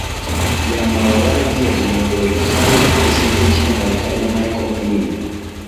ya mauwaji yaliofanywa na polisi mmoja nchini marekani michael minim